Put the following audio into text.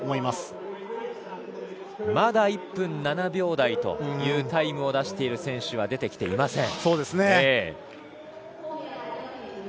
まだ１分７秒台というタイムを出している選手は出てきていません。